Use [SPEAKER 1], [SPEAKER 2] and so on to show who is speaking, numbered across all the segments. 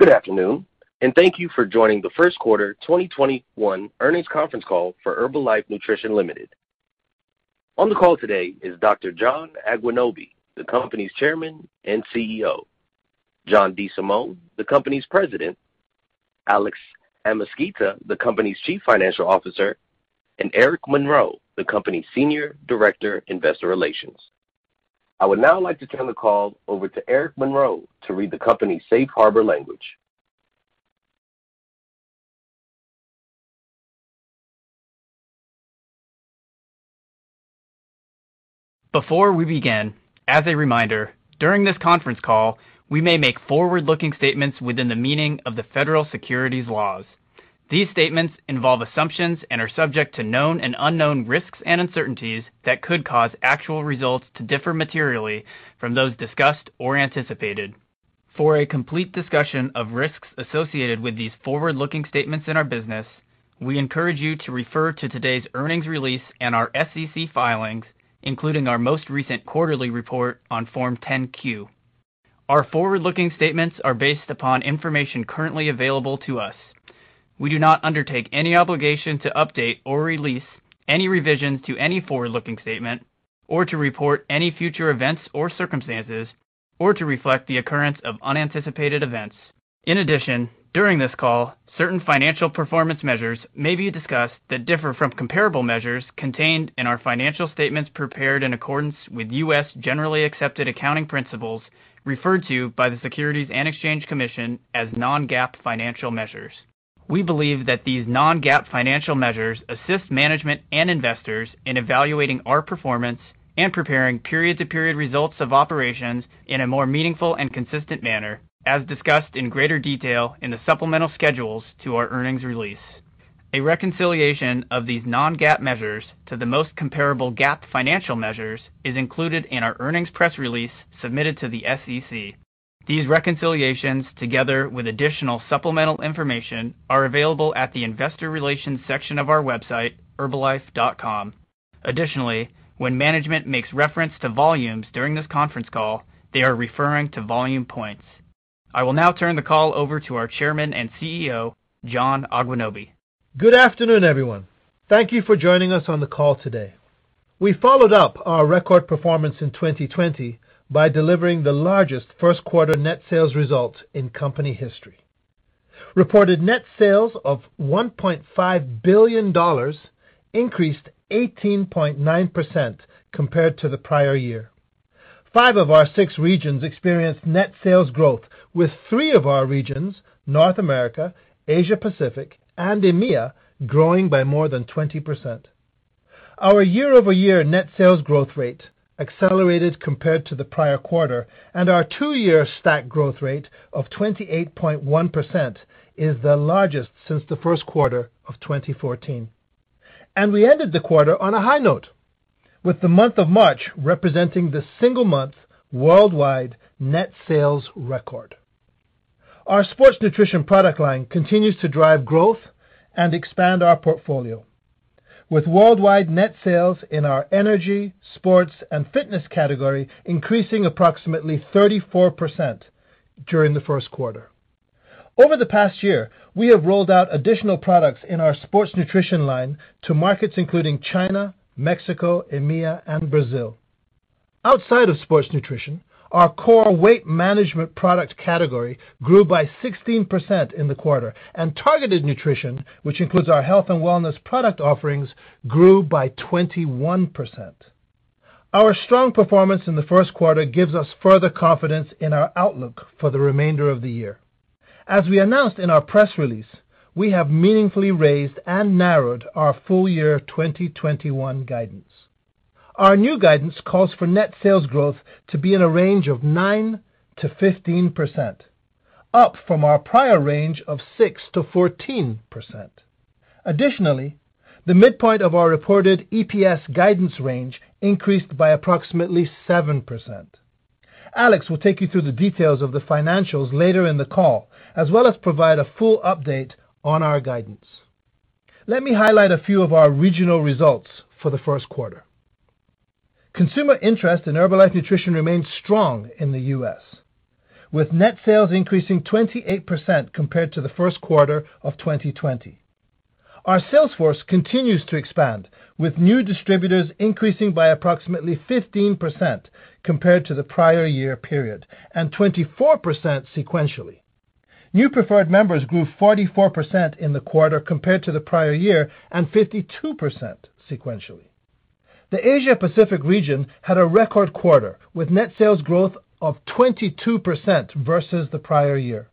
[SPEAKER 1] Good afternoon, and thank you for joining the first quarter 2021 earnings conference call for Herbalife Nutrition Limited. On the call today is Dr. John Agwunobi, the company's Chairman and CEO, John DeSimone, the company's President, Alex Amezquita, the company's Chief Financial Officer, and Eric Monroe, the company's Senior Director, Investor Relations. I would now like to turn the call over to Eric Monroe to read the company's safe harbor language.
[SPEAKER 2] Before we begin, as a reminder, during this conference call, we may make forward-looking statements within the meaning of the federal securities laws. These statements involve assumptions and are subject to known and unknown risks and uncertainties that could cause actual results to differ materially from those discussed or anticipated. For a complete discussion of risks associated with these forward-looking statements in our business, we encourage you to refer to today's earnings release and our SEC filings, including our most recent quarterly report on Form 10-Q. Our forward-looking statements are based upon information currently available to us. We do not undertake any obligation to update or release any revisions to any forward-looking statement or to report any future events or circumstances or to reflect the occurrence of unanticipated events. In addition, during this call, certain financial performance measures may be discussed that differ from comparable measures contained in our financial statements prepared in accordance with U.S. Generally Accepted Accounting Principles referred to by the Securities and Exchange Commission as non-GAAP financial measures. We believe that these non-GAAP financial measures assist management and investors in evaluating our performance and preparing period-to-period results of operations in a more meaningful and consistent manner, as discussed in greater detail in the supplemental schedules to our earnings release. A reconciliation of these non-GAAP measures to the most comparable GAAP financial measures is included in our earnings press release submitted to the SEC. These reconciliations, together with additional supplemental information, are available at the Investor Relations section of our website, herbalife.com. Additionally, when management makes reference to volumes during this conference call, they are referring to Volume Points. I will now turn the call over to our Chairman and CEO, John Agwunobi.
[SPEAKER 3] Good afternoon, everyone. Thank you for joining us on the call today. We followed up our record performance in 2020 by delivering the largest first quarter net sales result in company history. Reported net sales of $1.5 billion increased 18.9% compared to the prior year. Five of our six regions experienced net sales growth, with three of our regions, North America, Asia Pacific, and EMEA, growing by more than 20%. Our year-over-year net sales growth rate accelerated compared to the prior quarter, our two-year stack growth rate of 28.1% is the largest since the first quarter of 2014. We ended the quarter on a high note, with the month of March representing the single month worldwide net sales record. Our sports nutrition product line continues to drive growth and expand our portfolio, with worldwide net sales in our energy, sports, and fitness category increasing approximately 34% during the first quarter. Over the past year, we have rolled out additional products in our sports nutrition line to markets including China, Mexico, EMEA, and Brazil. Outside of sports nutrition, our core weight management product category grew by 16% in the quarter, and targeted nutrition, which includes our health and wellness product offerings, grew by 21%. Our strong performance in the first quarter gives us further confidence in our outlook for the remainder of the year. As we announced in our press release, we have meaningfully raised and narrowed our full year 2021 guidance. Our new guidance calls for net sales growth to be in a range of 9%-15%, up from our prior range of 6%-14%. Additionally, the midpoint of our reported EPS guidance range increased by approximately 7%. Alex will take you through the details of the financials later in the call, as well as provide a full update on our guidance. Let me highlight a few of our regional results for the first quarter. Consumer interest in Herbalife Nutrition remains strong in the U.S., with net sales increasing 28% compared to the first quarter of 2020. Our sales force continues to expand, with new distributors increasing by approximately 15% compared to the prior year period and 24% sequentially. New preferred members grew 44% in the quarter compared to the prior year and 52% sequentially. The Asia Pacific region had a record quarter with net sales growth of 22% versus the prior year.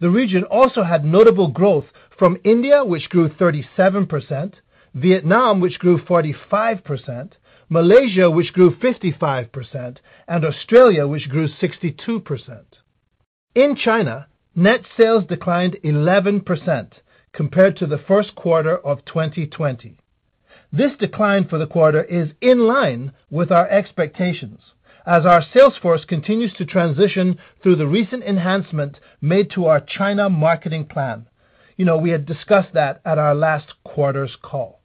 [SPEAKER 3] The region also had notable growth from India, which grew 37%, Vietnam, which grew 45%, Malaysia, which grew 55%, and Australia, which grew 62%. In China, net sales declined 11% compared to the first quarter of 2020. This decline for the quarter is in line with our expectations as our sales force continues to transition through the recent enhancement made to our China marketing plan. We had discussed that at our last quarter's call.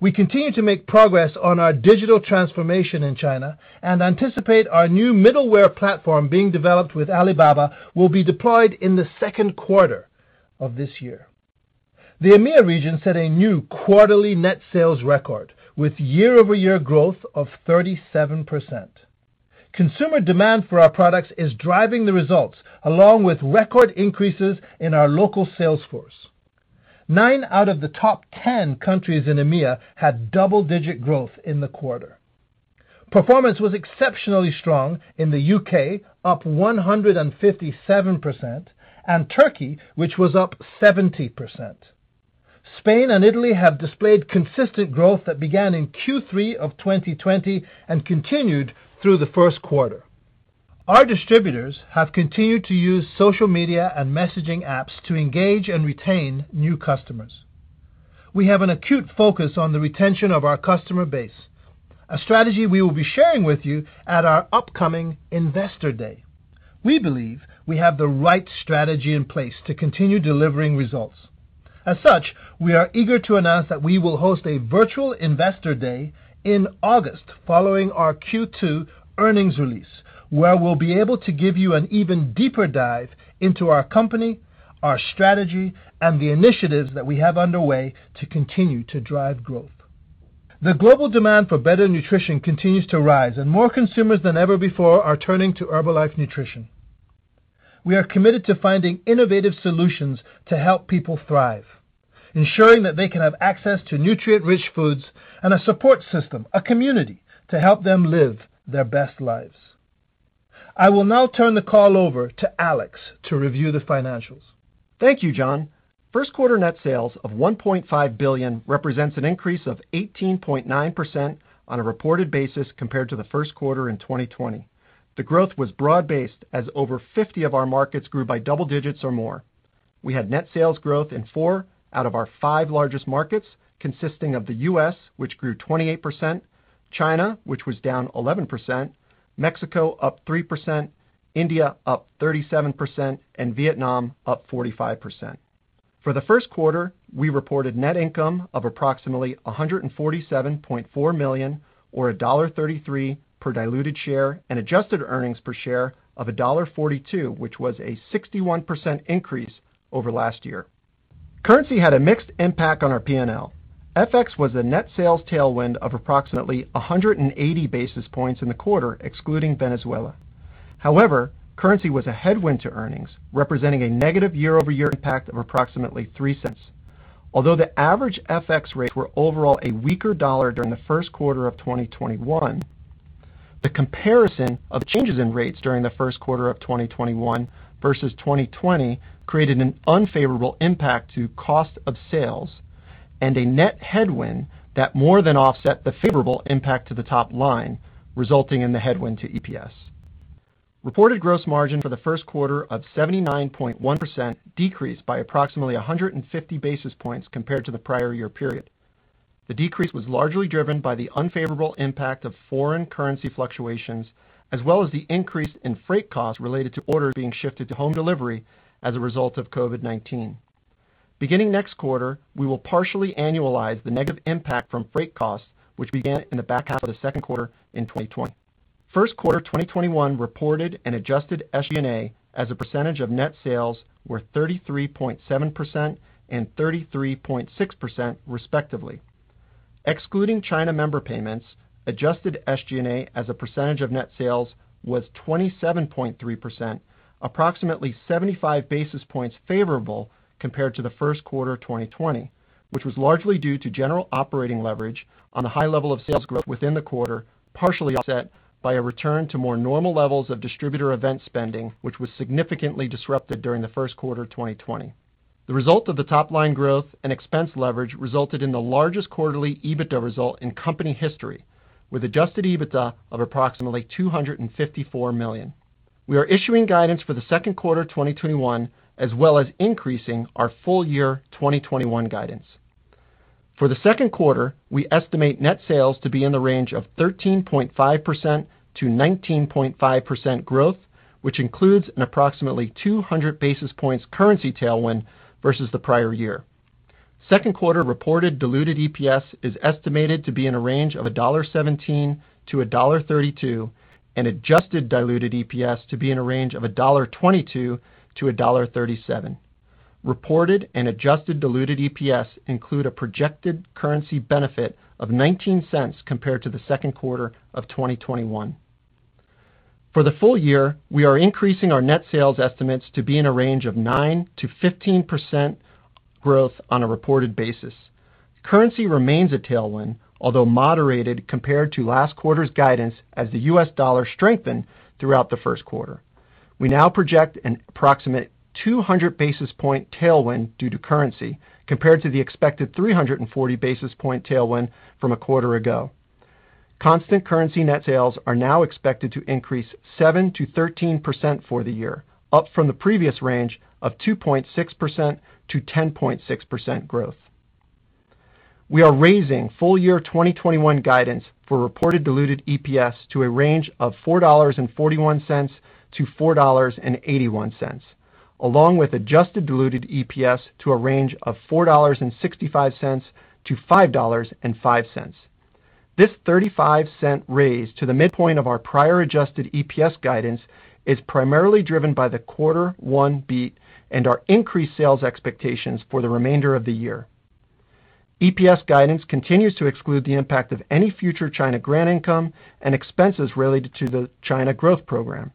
[SPEAKER 3] We continue to make progress on our digital transformation in China and anticipate our new middleware platform being developed with Alibaba will be deployed in the second quarter of this year. The EMEA region set a new quarterly net sales record with year-over-year growth of 37%. Consumer demand for our products is driving the results, along with record increases in our local sales force. Nine out of the top 10 countries in EMEA had double-digit growth in the quarter. Performance was exceptionally strong in the U.K., up 157%, and Turkey, which was up 70%. Spain and Italy have displayed consistent growth that began in Q3 of 2020 and continued through the first quarter. Our distributors have continued to use social media and messaging apps to engage and retain new customers. We have an acute focus on the retention of our customer base, a strategy we will be sharing with you at our upcoming Investor Day. We believe we have the right strategy in place to continue delivering results. As such, we are eager to announce that we will host a virtual Investor Day in August following our Q2 earnings release, where we'll be able to give you an even deeper dive into our company, our strategy, and the initiatives that we have underway to continue to drive growth. The global demand for better nutrition continues to rise, and more consumers than ever before are turning to Herbalife Nutrition. We are committed to finding innovative solutions to help people thrive, ensuring that they can have access to nutrient-rich foods and a support system, a community to help them live their best lives. I will now turn the call over to Alex to review the financials.
[SPEAKER 4] Thank you, John. First quarter net sales of $1.5 billion represents an increase of 18.9% on a reported basis compared to the first quarter in 2020. The growth was broad-based as over 50 of our markets grew by double digits or more. We had net sales growth in four out of our five largest markets, consisting of the U.S., which grew 28%, China, which was down 11%, Mexico up 3%, India up 37%, and Vietnam up 45%. For the first quarter, we reported net income of approximately $147.4 million or $1.33 per diluted share and adjusted earnings per share of $1.42, which was a 61% increase over last year. Currency had a mixed impact on our P&L. FX was a net sales tailwind of approximately 180 basis points in the quarter, excluding Venezuela. Currency was a headwind to earnings, representing a negative year-over-year impact of approximately $0.03. Although the average FX rates were overall a weaker dollar during the first quarter of 2021, the comparison of changes in rates during the first quarter of 2021 versus 2020 created an unfavorable impact to cost of sales and a net headwind that more than offset the favorable impact to the top line, resulting in the headwind to EPS. Reported gross margin for the first quarter of 79.1% decreased by approximately 150 basis points compared to the prior year period. The decrease was largely driven by the unfavorable impact of foreign currency fluctuations, as well as the increase in freight costs related to orders being shifted to home delivery as a result of COVID-19. Beginning next quarter, we will partially annualize the negative impact from freight costs, which began in the back half of the second quarter in 2020. First quarter 2021 reported and adjusted SG&A as a percentage of net sales were 33.7% and 33.6%, respectively. Excluding China member payments, adjusted SG&A as a percentage of net sales was 27.3%, approximately 75 basis points favorable compared to the first quarter 2020, which was largely due to general operating leverage on the high level of sales growth within the quarter, partially offset by a return to more normal levels of distributor event spending, which was significantly disrupted during the first quarter 2020. The result of the top-line growth and expense leverage resulted in the largest quarterly EBITDA result in company history, with adjusted EBITDA of approximately $254 million. We are issuing guidance for the second quarter 2021, as well as increasing our full year 2021 guidance. For the second quarter, we estimate net sales to be in the range of 13.5%-19.5% growth, which includes an approximately 200 basis points currency tailwind versus the prior year. Second quarter reported diluted EPS is estimated to be in a range of $1.17-$1.32, and adjusted diluted EPS to be in a range of $1.22-$1.37. Reported and adjusted diluted EPS include a projected currency benefit of $0.19 compared to the second quarter of 2021. For the full year, we are increasing our net sales estimates to be in a range of 9%-15% growth on a reported basis. Currency remains a tailwind, although moderated compared to last quarter's guidance as the U.S. dollar strengthened throughout the first quarter. We now project an approximate 200 basis point tailwind due to currency, compared to the expected 340 basis point tailwind from a quarter ago. Constant currency net sales are now expected to increase 7%-13% for the year, up from the previous range of 2.6%-10.6% growth. We are raising full year 2021 guidance for reported diluted EPS to a range of $4.41-$4.81. Along with adjusted diluted EPS to a range of $4.65-$5.05. This $0.35 raise to the midpoint of our prior adjusted EPS guidance is primarily driven by the quarter one beat and our increased sales expectations for the remainder of the year. EPS guidance continues to exclude the impact of any future China grant income and expenses related to the China Growth Program,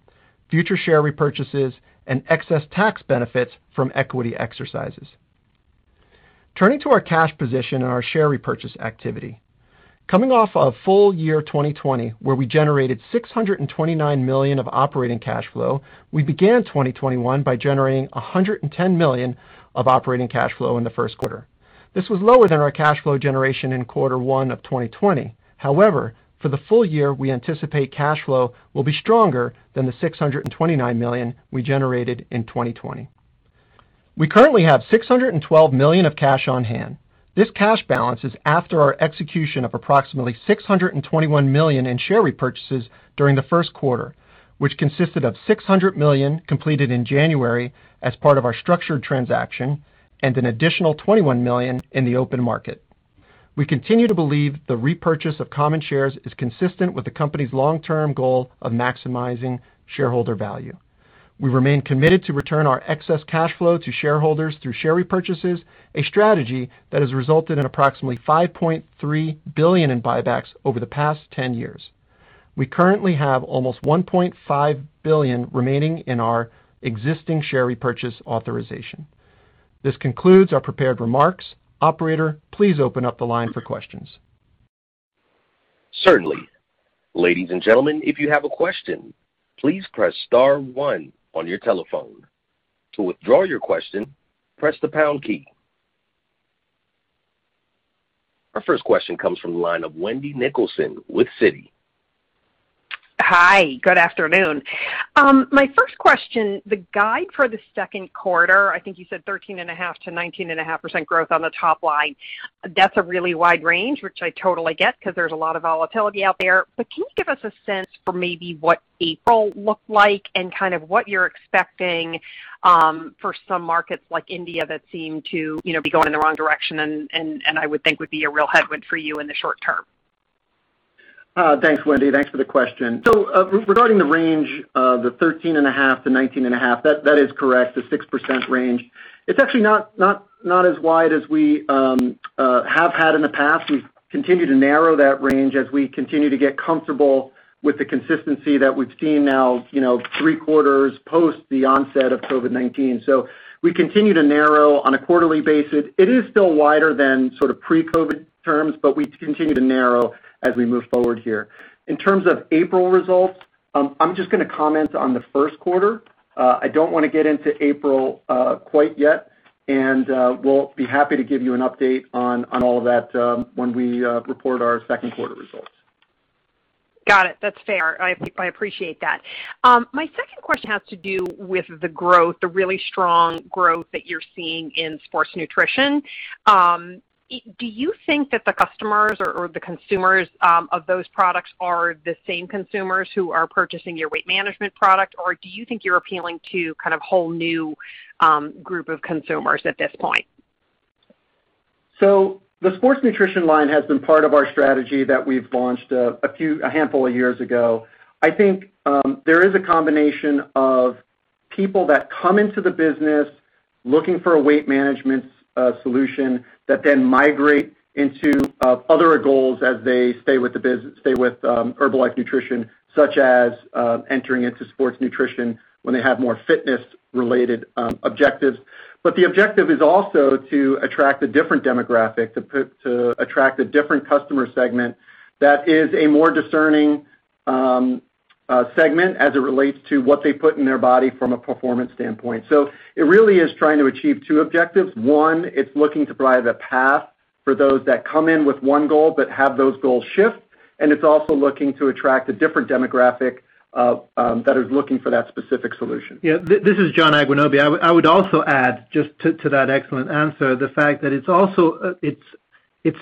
[SPEAKER 4] future share repurchases, and excess tax benefits from equity exercises. Turning to our cash position and our share repurchase activity. Coming off a full year 2020, where we generated $629 million of operating cash flow, we began 2021 by generating $110 million of operating cash flow in the first quarter. This was lower than our cash flow generation in quarter one of 2020. For the full year, we anticipate cash flow will be stronger than the $629 million we generated in 2020. We currently have $612 million of cash on hand. This cash balance is after our execution of approximately $621 million in share repurchases during the first quarter, which consisted of $600 million completed in January as part of our structured transaction, and an additional $21 million in the open market. We continue to believe the repurchase of common shares is consistent with the company's long-term goal of maximizing shareholder value. We remain committed to return our excess cash flow to shareholders through share repurchases, a strategy that has resulted in approximately $5.3 billion in buybacks over the past 10 years. We currently have almost $1.5 billion remaining in our existing share repurchase authorization. This concludes our prepared remarks. Operator, please open up the line for questions.
[SPEAKER 1] Certainly. Ladies and gentlemen, if you have a question please press star one on your telephone. To withdraw your question press the pound key. Our first question comes from the line of Wendy Nicholson with Citi.
[SPEAKER 5] Hi, good afternoon. My first question, the guide for the second quarter, I think you said 13.5%-19.5% growth on the top line. That's a really wide range, which I totally get because there's a lot of volatility out there. Can you give us a sense for maybe what April looked like and kind of what you're expecting for some markets like India that seem to be going in the wrong direction and I would think would be a real headwind for you in the short term?
[SPEAKER 4] Thanks, Wendy. Thanks for the question. Regarding the range of the 13.5%-19.5%, that is correct, the 6% range. It's actually not as wide as we have had in the past. We've continued to narrow that range as we continue to get comfortable with the consistency that we've seen now three quarters post the onset of COVID-19. We continue to narrow on a quarterly basis. It is still wider than sort of pre-COVID terms, but we continue to narrow as we move forward here. In terms of April results, I'm just going to comment on the first quarter. I don't want to get into April quite yet, and we'll be happy to give you an update on all of that when we report our second quarter results.
[SPEAKER 5] Got it. That's fair. I appreciate that. My second question has to do with the growth, the really strong growth that you're seeing in sports nutrition. Do you think that the customers or the consumers of those products are the same consumers who are purchasing your weight management product, or do you think you're appealing to kind of whole new group of consumers at this point?
[SPEAKER 4] The sports nutrition line has been part of our strategy that we've launched a handful of years ago. I think there is a combination of people that come into the business looking for a weight management solution that then migrate into other goals as they stay with Herbalife Nutrition, such as entering into sports nutrition when they have more fitness-related objectives. The objective is also to attract a different demographic, to attract a different customer segment that is a more discerning segment as it relates to what they put in their body from a performance standpoint. It really is trying to achieve two objectives. One, it's looking to provide a path for those that come in with one goal but have those goals shift, and it's also looking to attract a different demographic that is looking for that specific solution.
[SPEAKER 3] This is John Agwunobi. I would also add just to that excellent answer, the fact that it's also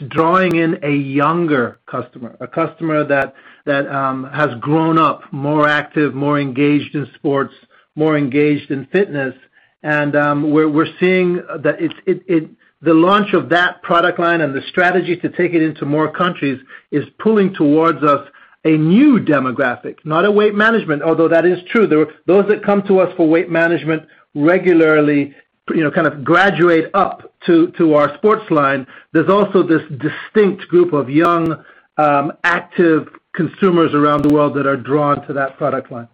[SPEAKER 3] drawing in a younger customer, a customer that has grown up more active, more engaged in sports, more engaged in fitness. We're seeing that the launch of that product line and the strategy to take it into more countries is pulling towards us a new demographic, not a weight management, although that is true. Those that come to us for weight management regularly kind of graduate up to our sports line. There's also this distinct group of young, active consumers around the world that are drawn to that product line.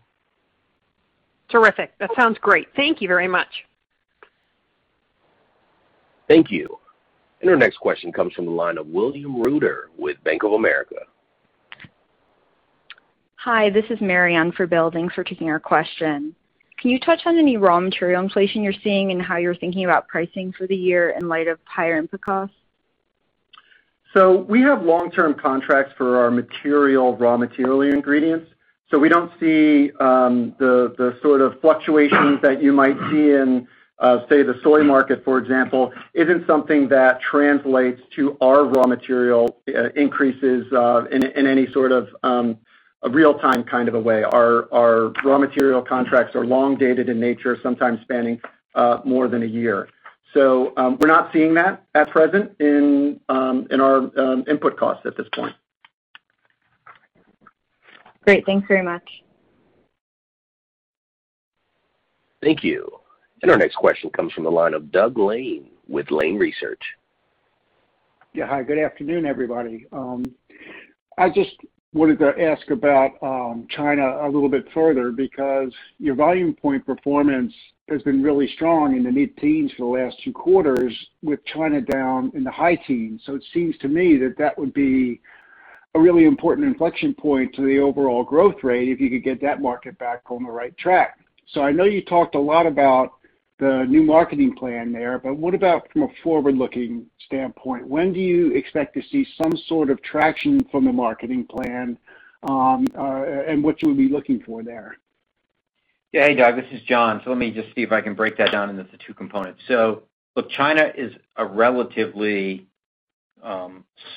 [SPEAKER 5] Terrific. That sounds great. Thank you very much.
[SPEAKER 1] Thank you. Our next question comes from the line of William Reuter with Bank of America.
[SPEAKER 6] Hi, this is [Mary] on for Bill. Thanks for taking our question. Can you touch on any raw material inflation you're seeing and how you're thinking about pricing for the year in light of higher input costs?
[SPEAKER 4] We have long-term contracts for our raw material ingredients. We don't see the sort of fluctuations that you might see in Say the soy market, for example, isn't something that translates to our raw material increases in any sort of a real-time kind of a way. Our raw material contracts are long-dated in nature, sometimes spanning more than a year. We're not seeing that at present in our input costs at this point.
[SPEAKER 6] Great. Thanks very much.
[SPEAKER 1] Thank you. Our next question comes from the line of Doug Lane with Lane Research.
[SPEAKER 7] Hi, good afternoon, everybody. I just wanted to ask about China a little bit further because your Volume Point performance has been really strong in the mid-teens for the last two quarters with China down in the high teens. It seems to me that that would be a really important inflection point to the overall growth rate if you could get that market back on the right track. I know you talked a lot about the new marketing plan there, but what about from a forward-looking standpoint? When do you expect to see some sort of traction from the marketing plan, and what you would be looking for there?
[SPEAKER 8] Yeah. Hey, Doug, this is John. Let me just see if I can break that down into the two components. Look, China is a relatively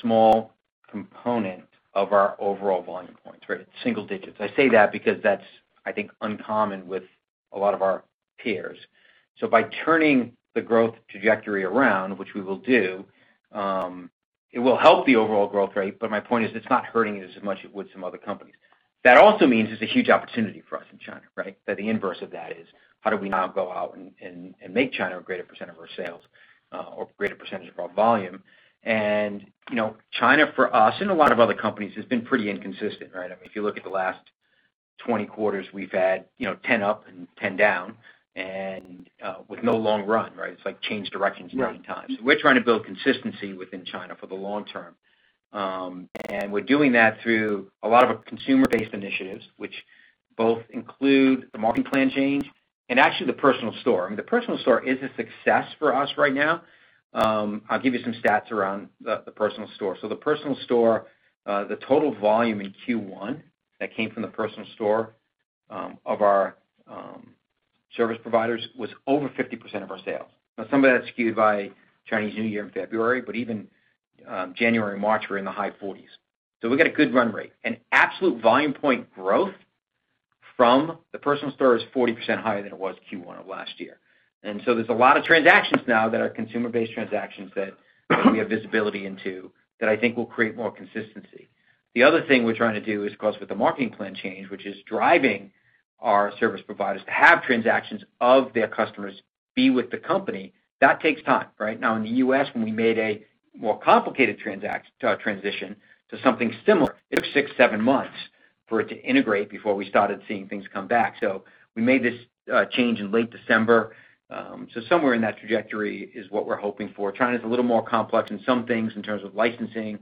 [SPEAKER 8] small component of our overall Volume Points, right? It's single digits. I say that because that's, I think, uncommon with a lot of our peers. By turning the growth trajectory around, which we will do, it will help the overall growth rate, but my point is it's not hurting us as much as it would some other companies. That also means it's a huge opportunity for us in China, right? That the inverse of that is how do we now go out and make China a greater percent of our sales or greater percentage of our volume. China for us and a lot of other companies has been pretty inconsistent, right? I mean, if you look at the last 20 quarters, we've had 10 up and 10 down and with no long run, right? It's like change directions nine times.
[SPEAKER 7] Right.
[SPEAKER 8] We're trying to build consistency within China for the long term. We're doing that through a lot of consumer-based initiatives, which both include the marketing plan change and actually the personal store. I mean, the personal store is a success for us right now. I'll give you some stats around the personal store. The personal store, the total volume in Q1 that came from the personal store of our service providers was over 50% of our sales. Now, some of that's skewed by Chinese New Year in February, but even January and March, we're in the high 40s. We've got a good run rate. Absolute Volume Point growth from the personal store is 40% higher than it was Q1 of last year. There's a lot of transactions now that are consumer-based transactions that we have visibility into that I think will create more consistency. The other thing we're trying to do is, of course, with the marketing plan change, which is driving our service providers to have transactions of their customers be with the company. That takes time, right? In the U.S., when we made a more complicated transition to something similar, it took six, seven months for it to integrate before we started seeing things come back. We made this change in late December. Somewhere in that trajectory is what we're hoping for. China's a little more complex in some things in terms of licensing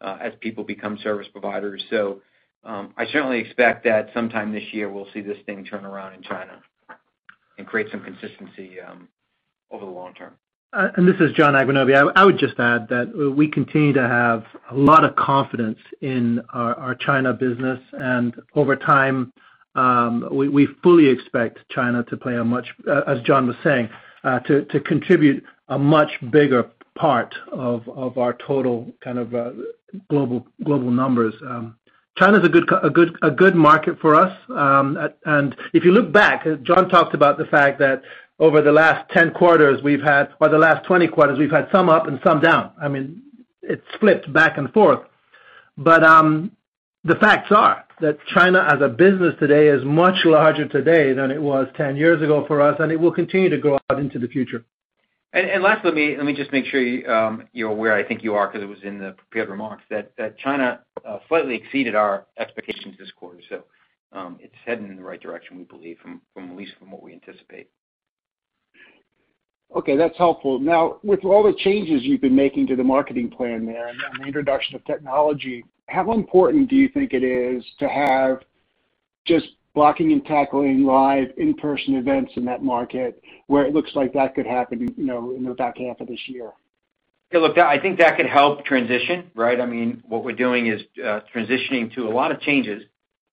[SPEAKER 8] as people become service providers. I certainly expect that sometime this year, we'll see this thing turn around in China and create some consistency over the long term.
[SPEAKER 3] This is John Agwunobi. I would just add that we continue to have a lot of confidence in our China business. Over time, we fully expect China to contribute a much bigger part of our total kind of global numbers. China's a good market for us. If you look back, John talked about the fact that over the last 10 quarters we've had, or the last 20 quarters, we've had some up and some down. I mean, it's flipped back and forth. The facts are that China as a business today is much larger today than it was 10 years ago for us, and it will continue to grow out into the future.
[SPEAKER 8] Last, let me just make sure you're aware, I think you are, because it was in the prepared remarks, that China slightly exceeded our expectations this quarter. It's heading in the right direction, we believe, at least from what we anticipate.
[SPEAKER 7] Okay. That's helpful. Now, with all the changes you've been making to the marketing plan there and the introduction of technology, how important do you think it is to have just blocking and tackling live in-person events in that market where it looks like that could happen in the back half of this year?
[SPEAKER 8] Yeah, look, I think that could help transition, right? I mean, what we're doing is transitioning to a lot of changes,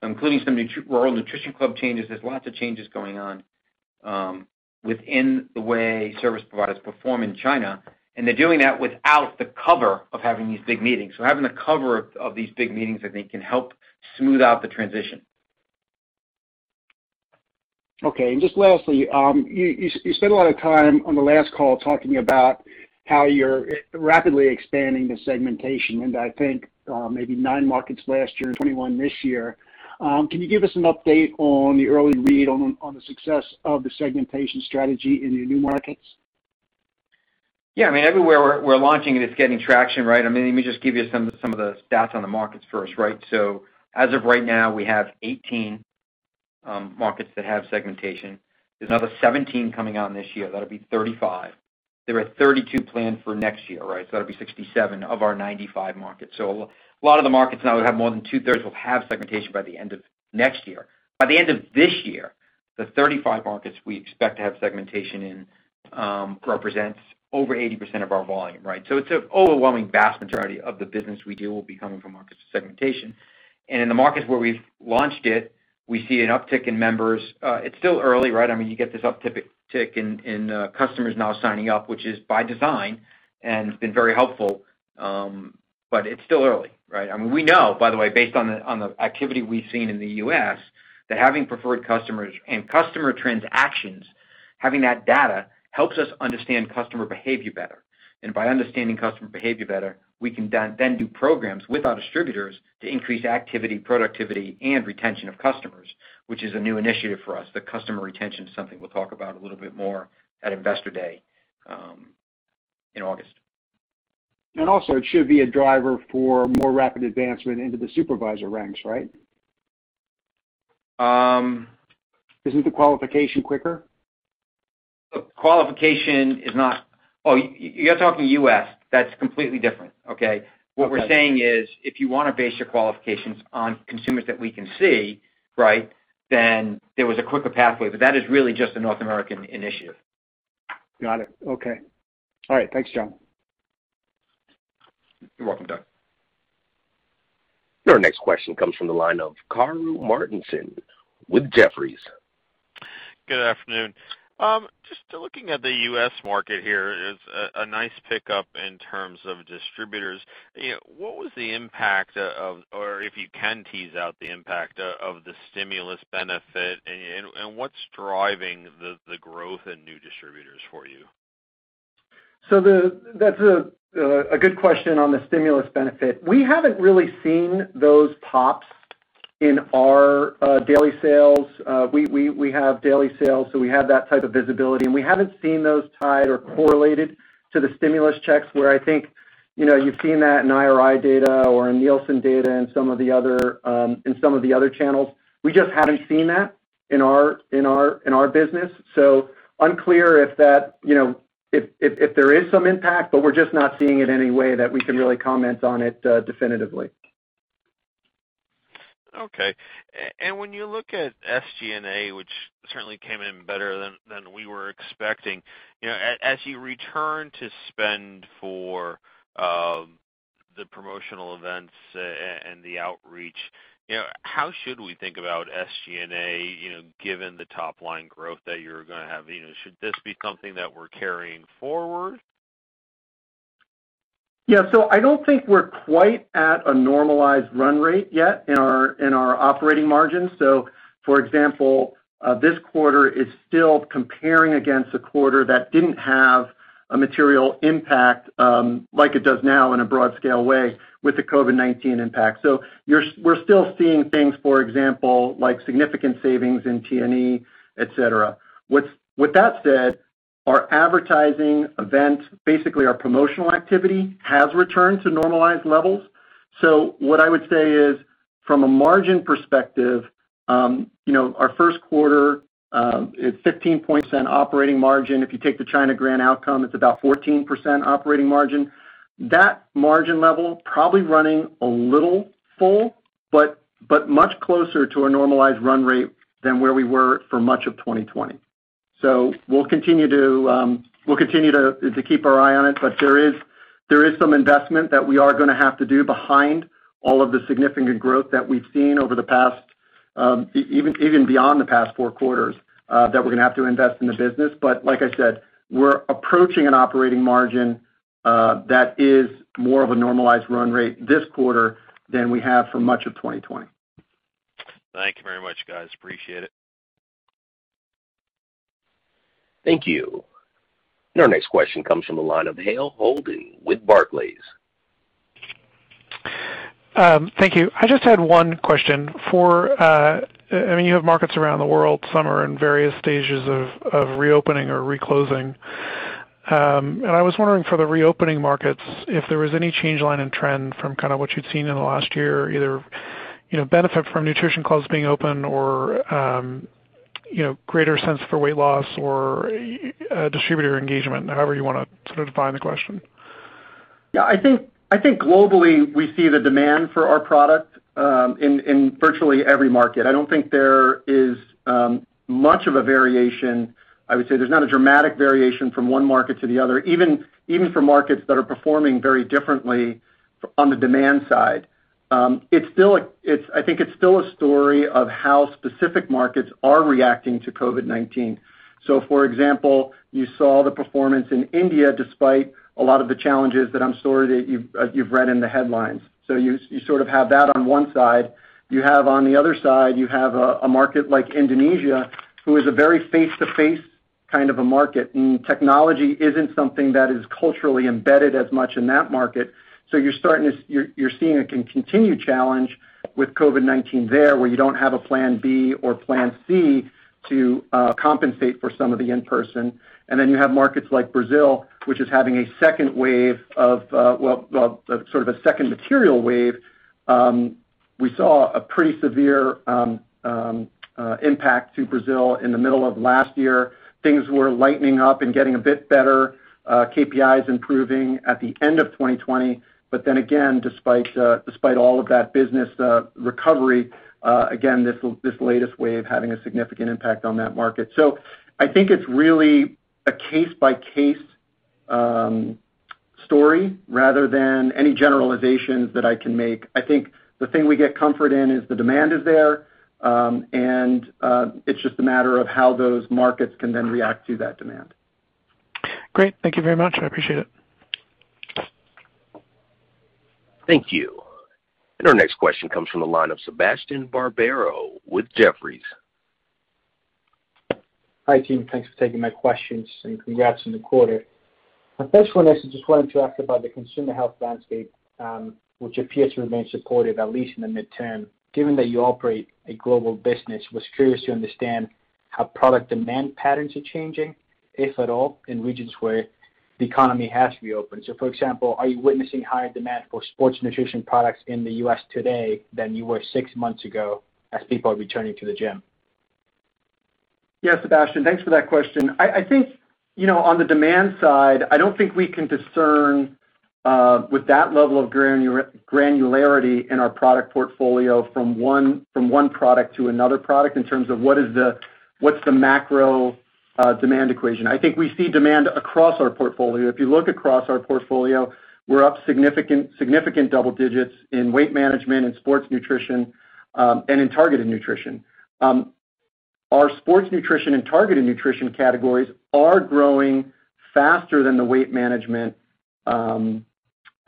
[SPEAKER 8] including some Rural Nutrition Club changes. There's lots of changes going on within the way service providers perform in China, and they're doing that without the cover of having these big meetings. Having the cover of these big meetings I think can help smooth out the transition.
[SPEAKER 7] Okay. Just lastly, you spent a lot of time on the last call talking about how you're rapidly expanding the segmentation into, I think, maybe nine markets last year and 21 this year. Can you give us an update on the early read on the success of the segmentation strategy in your new markets?
[SPEAKER 8] Yeah. I mean, everywhere we're launching it's getting traction, right? I mean, let me just give you some of the stats on the markets first, right? As of right now, we have 18 markets that have segmentation. There's another 17 coming on this year. That'll be 35. There are 32 planned for next year, right? That'll be 67 of our 95 markets. A lot of the markets now would have more than two-thirds will have segmentation by the end of next year. By the end of this year, the 35 markets we expect to have segmentation in represents over 80% of our volume. It's an overwhelming vast majority of the business we do will be coming from markets with segmentation. In the markets where we've launched it, we see an uptick in members. It's still early. You get this uptick in customers now signing up, which is by design and has been very helpful. It's still early. We know, by the way, based on the activity we've seen in the U.S., that having preferred customers and customer transactions, having that data helps us understand customer behavior better. By understanding customer behavior better, we can then do programs with our distributors to increase activity, productivity, and retention of customers, which is a new initiative for us. The customer retention is something we'll talk about a little bit more at Investor Day in August.
[SPEAKER 7] Also it should be a driver for more rapid advancement into the supervisor ranks, right? Isn't the qualification quicker?
[SPEAKER 8] Qualification is not, oh, you're talking U.S. That's completely different, okay?
[SPEAKER 7] Okay.
[SPEAKER 8] What we're saying is, if you want to base your qualifications on consumers that we can see, then there was a quicker pathway. That is really just a North American initiative.
[SPEAKER 7] Got it. Okay. All right. Thanks, John.
[SPEAKER 8] You're welcome, Doug.
[SPEAKER 1] Your next question comes from the line of Karru Martinson with Jefferies.
[SPEAKER 9] Good afternoon. Just looking at the U.S. market here, it's a nice pickup in terms of distributors. What was the impact of, or if you can tease out the impact of the stimulus benefit, and what's driving the growth in new distributors for you?
[SPEAKER 4] That's a good question on the stimulus benefit. We haven't really seen those pops in our daily sales. We have daily sales, so we have that type of visibility, and we haven't seen those tied or correlated to the stimulus checks where I think, you've seen that in IRI data or in Nielsen data and some of the other channels. We just haven't seen that in our business. Unclear if there is some impact, but we're just not seeing it any way that we can really comment on it definitively.
[SPEAKER 9] Okay. When you look at SG&A, which certainly came in better than we were expecting, as you return to spend for the promotional events and the outreach, how should we think about SG&A, given the top-line growth that you're going to have? Should this be something that we're carrying forward?
[SPEAKER 4] Yeah. I don't think we're quite at a normalized run rate yet in our operating margin. For example, this quarter is still comparing against a quarter that didn't have a material impact, like it does now in a broad-scale way, with the COVID-19 impact. We're still seeing things, for example, like significant savings in T&E, et cetera. With that said, our advertising event, basically our promotional activity, has returned to normalized levels. What I would say is, from a margin perspective, our first quarter, it's 15% operating margin. If you take the China grant outcome, it's about 14% operating margin. That margin level probably running a little full, but much closer to a normalized run rate than where we were for much of 2020. We'll continue to keep our eye on it, but there is some investment that we are going to have to do behind all of the significant growth that we've seen over the past, even beyond the past four quarters, that we're going to have to invest in the business. Like I said, we're approaching an operating margin that is more of a normalized run rate this quarter than we have for much of 2020.
[SPEAKER 9] Thank you very much, guys. Appreciate it.
[SPEAKER 1] Thank you. Your next question comes from the line of Hale Holden with Barclays.
[SPEAKER 10] Thank you. I just had one question for. You have markets around the world. Some are in various stages of reopening or reclosing. I was wondering for the reopening markets, if there was any change, line and trend from what you'd seen in the last year, either benefit from Nutrition Clubs being open or greater sense for weight loss or distributor engagement, however you want to sort of define the question?
[SPEAKER 4] Yeah, I think globally, we see the demand for our product in virtually every market. I don't think there is much of a variation. I would say there's not a dramatic variation from one market to the other, even for markets that are performing very differently on the demand side. I think it's still a story of how specific markets are reacting to COVID-19. For example, you saw the performance in India despite a lot of the challenges that I'm sure that you've read in the headlines. You sort of have that on one side. You have on the other side, you have a market like Indonesia, who is a very face-to-face kind of a market, and technology isn't something that is culturally embedded as much in that market. You're seeing a continued challenge with COVID-19 there, where you don't have a plan B or plan C to compensate for some of the in-person. You have markets like Brazil, which is having a second wave of, well, sort of a second material wave. We saw a pretty severe impact to Brazil in the middle of last year. Things were lightening up and getting a bit better, KPIs improving at the end of 2020. Again, despite all of that business recovery, again, this latest wave having a significant impact on that market. I think it's really a case-by-case Story rather than any generalizations that I can make. I think the thing we get comfort in is the demand is there, and it's just a matter of how those markets can then react to that demand.
[SPEAKER 10] Great. Thank you very much. I appreciate it.
[SPEAKER 1] Thank you. Our next question comes from the line of Sebastian Barbero with Jefferies.
[SPEAKER 11] Hi, team. Thanks for taking my questions. Congrats on the quarter. My first one is just wanted to ask you about the consumer health landscape, which appears to remain supportive, at least in the midterm. Given that you operate a global business, I was curious to understand how product demand patterns are changing, if at all, in regions where the economy has reopened. For example, are you witnessing higher demand for sports nutrition products in the U.S. today than you were six months ago as people are returning to the gym?
[SPEAKER 4] Yeah, Sebastian, thanks for that question. I think on the demand side, I don't think we can discern with that level of granularity in our product portfolio from one product to another product in terms of what's the macro demand equation. I think we see demand across our portfolio. If you look across our portfolio, we're up significant double digits in weight management and sports nutrition, and in targeted nutrition. Our sports nutrition and targeted nutrition categories are growing faster than the weight management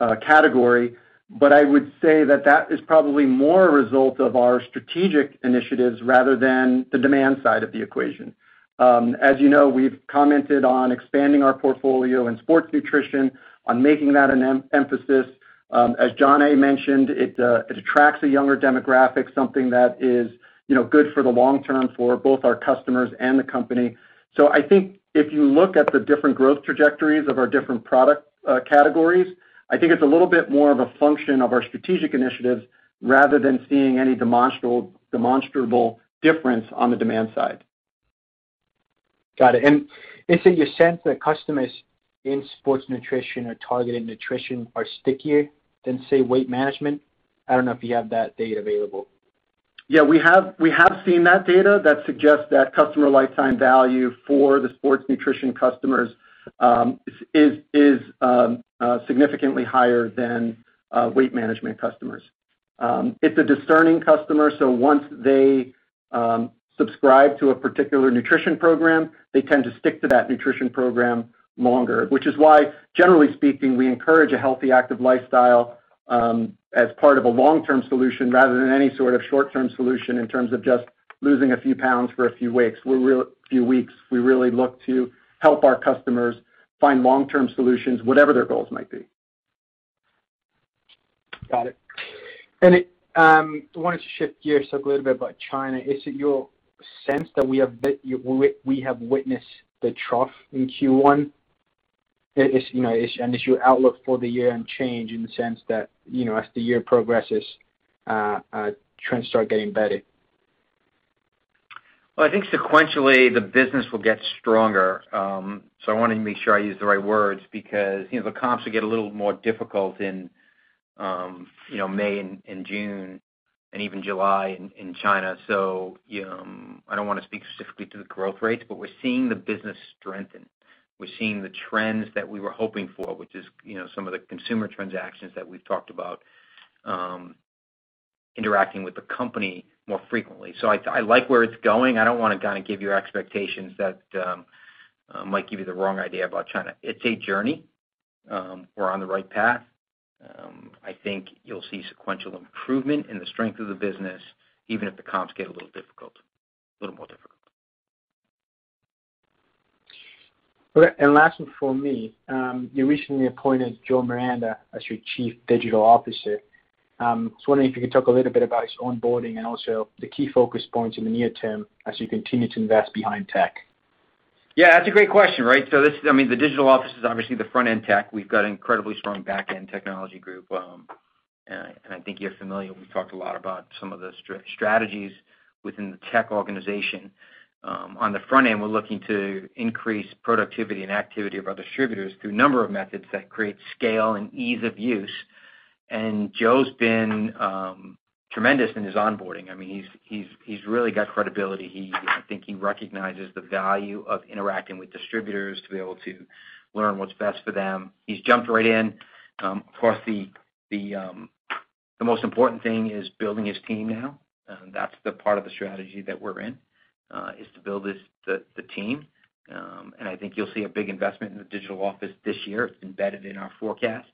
[SPEAKER 4] category, but I would say that that is probably more a result of our strategic initiatives rather than the demand side of the equation. As you know, we've commented on expanding our portfolio in sports nutrition, on making that an emphasis. As John A. mentioned, it attracts a younger demographic, something that is good for the long term for both our customers and the company. I think if you look at the different growth trajectories of our different product categories, I think it's a little bit more of a function of our strategic initiatives rather than seeing any demonstrable difference on the demand side.
[SPEAKER 11] Got it. Is it your sense that customers in sports nutrition or targeted nutrition are stickier than, say, weight management? I don't know if you have that data available.
[SPEAKER 4] Yeah, we have seen that data that suggests that customer lifetime value for the sports nutrition customers is significantly higher than weight management customers. It's a discerning customer, so once they subscribe to a particular nutrition program, they tend to stick to that nutrition program longer. Which is why, generally speaking, we encourage a healthy, active lifestyle as part of a long-term solution rather than any sort of short-term solution in terms of just losing a few pounds for a few weeks. We really look to help our customers find long-term solutions, whatever their goals might be.
[SPEAKER 11] Got it. I wanted to shift gears, talk a little bit about China. Is it your sense that we have witnessed the trough in Q1? Has your outlook for the year changed in the sense that as the year progresses, trends start getting better?
[SPEAKER 8] Well, I think sequentially, the business will get stronger. I want to make sure I use the right words because the comps will get a little more difficult in May and June and even July in China. I don't want to speak specifically to the growth rates, but we're seeing the business strengthen. We're seeing the trends that we were hoping for, which is some of the consumer transactions that we've talked about interacting with the company more frequently. I like where it's going. I don't want to give you expectations that might give you the wrong idea about China. It's a journey. We're on the right path. I think you'll see sequential improvement in the strength of the business, even if the comps get a little more difficult.
[SPEAKER 11] Okay. Last one from me. You recently appointed Joe Miranda as your Chief Digital Officer. I was wondering if you could talk a little bit about his onboarding and also the key focus points in the near term as you continue to invest behind tech.
[SPEAKER 8] Yeah, that's a great question, right? The digital office is obviously the front-end tech. We've got an incredibly strong back-end technology group, and I think you're familiar, we've talked a lot about some of the strategies within the tech organization. On the front end, we're looking to increase productivity and activity of our distributors through a number of methods that create scale and ease of use. Joe's been tremendous in his onboarding. He's really got credibility. I think he recognizes the value of interacting with distributors to be able to learn what's best for them. He's jumped right in. Of course, the most important thing is building his team now. That's the part of the strategy that we're in, is to build the team. I think you'll see a big investment in the digital office this year. It's embedded in our forecast.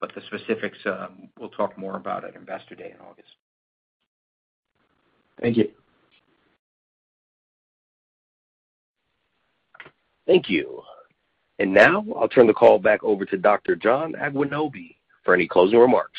[SPEAKER 8] The specifics, we'll talk more about at Investor Day in August.
[SPEAKER 11] Thank you.
[SPEAKER 1] Thank you. Now I'll turn the call back over to Dr. John Agwunobi for any closing remarks.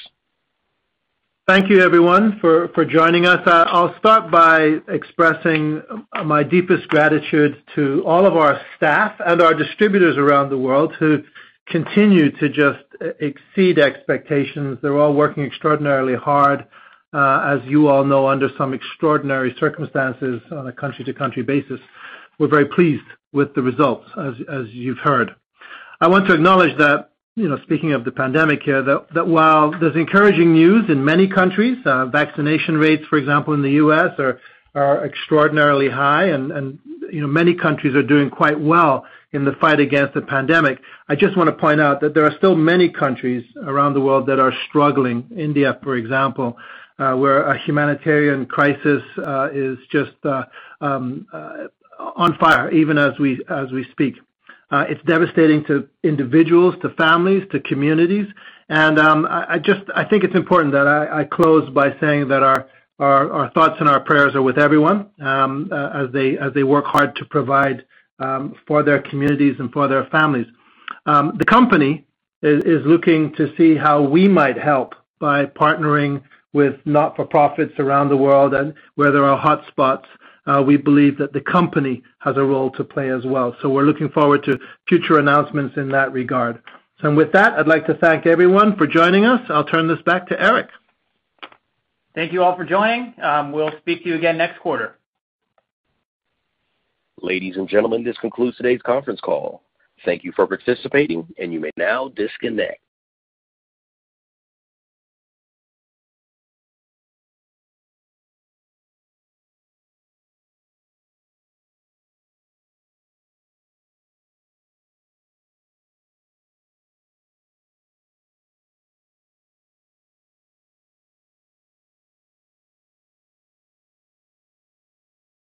[SPEAKER 3] Thank you, everyone, for joining us. I'll start by expressing my deepest gratitude to all of our staff and our distributors around the world who continue to just exceed expectations. They're all working extraordinarily hard, as you all know, under some extraordinary circumstances on a country-to-country basis. We're very pleased with the results, as you've heard. I want to acknowledge that, speaking of the pandemic here, that while there's encouraging news in many countries, vaccination rates, for example, in the U.S., are extraordinarily high and many countries are doing quite well in the fight against the pandemic. I just want to point out that there are still many countries around the world that are struggling. India, for example, where a humanitarian crisis is just on fire, even as we speak. It's devastating to individuals, to families, to communities. I think it's important that I close by saying that our thoughts and our prayers are with everyone as they work hard to provide for their communities and for their families. The company is looking to see how we might help by partnering with not-for-profits around the world and where there are hotspots. We believe that the company has a role to play as well. We're looking forward to future announcements in that regard. With that, I'd like to thank everyone for joining us. I'll turn this back to Eric.
[SPEAKER 2] Thank you all for joining. We'll speak to you again next quarter.
[SPEAKER 1] Ladies and gentlemen, this concludes today's conference call. Thank you for participating, and you may now disconnect.